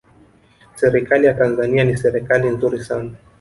serikali ya tanzania ni serikali nzuri sana